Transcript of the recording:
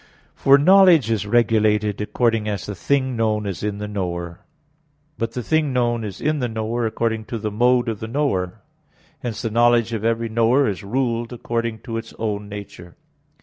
For knowledge is regulated according as the thing known is in the knower. But the thing known is in the knower according to the mode of the knower. Hence the knowledge of every knower is ruled according to its own nature.